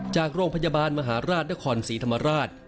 จากโรงพยาบาลมหาราชนครศรีธรรมราช